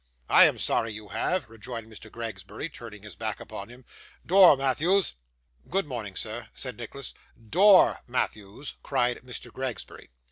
'I am sorry you have,' rejoined Mr. Gregsbury, turning his back upon him. 'Door, Matthews!' 'Good morning, sir,' said Nicholas. 'Door, Matthews!' cried Mr. Gregsbury.